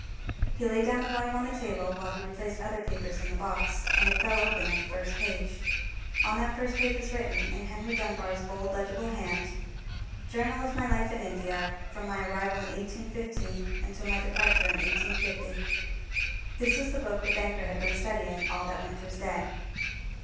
He laid down the volume on the table while he replaced other papers in the box, and it fell open at the first page. On that first page was written, in Henry Dunbar's bold, legible hand— "Journal of my life in India, from my arrival in 1815 until my departure in 1850." This was the book the banker had been studying all that winter's day.